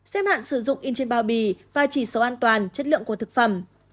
xếp hạn sử dụng in trên bao bì và chỉ số an toàn chất lượng của thực phẩm